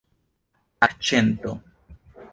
akĉento